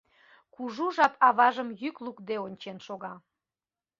Кужу жап аважым йӱк лукде ончен шога.